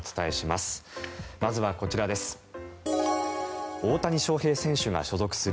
まずはこちらです。